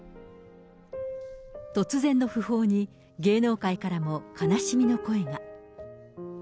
突然の訃報に、芸能界からも悲しみの声が。